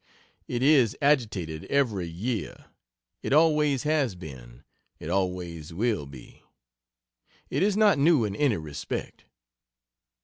It is agitated every year. It always has been, it always will be; It is not new in any respect.